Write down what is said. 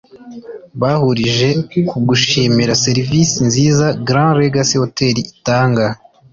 bahurije ku gushimira Serivisi nziza Grand Legacy Hotel itanga